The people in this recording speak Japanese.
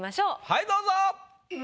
はいどうぞ。